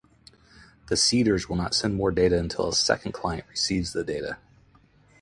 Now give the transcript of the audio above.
The seeders will not send more data until a second client receives the data.